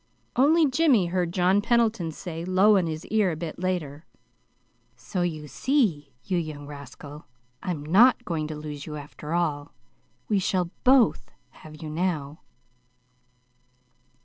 Only Jimmy heard John Pendleton say low in his ear, a bit later: "So you see, you young rascal, I'm not going to lose you, after all. We shall BOTH have you now."